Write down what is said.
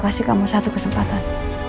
kasih kamu satu kesempatan